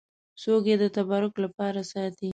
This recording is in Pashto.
څوک یې د تبرک لپاره ساتي.